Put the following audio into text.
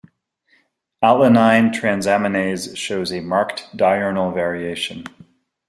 Alanine transaminase shows a marked diurnal variation.